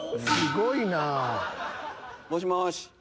すごいな。もしもし？